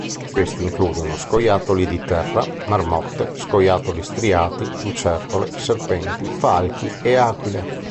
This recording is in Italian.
Questi includono scoiattoli di terra, marmotte, scoiattoli striati, lucertole, serpenti, falchi e aquile.